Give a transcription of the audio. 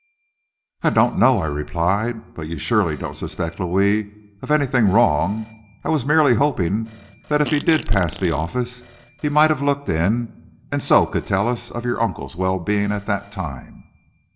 "I don't know," I replied; "but you surely don't suspect Louis of anything wrong. I was merely hoping, that if he did pass the office he might have looked in, and so could tell us of your uncle's well being at that time."